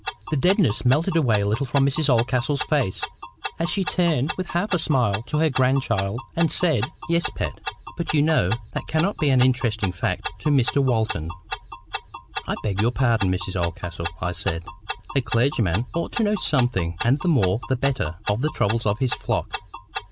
The deadness melted a little from Mrs Oldcastle's face, as she turned with half a smile to her grandchild, and said— "Yes, Pet. But you know that cannot be an interesting fact to Mr. Walton." "I beg your pardon, Mrs. Oldcastle," I said. "A clergyman ought to know something, and the more the better, of the troubles of his flock.